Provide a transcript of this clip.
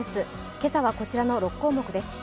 今朝はこちらの６項目です。